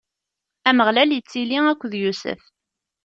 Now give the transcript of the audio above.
Ameɣlal ittili akked Yusef.